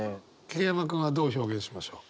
桐山君はどう表現しましょう？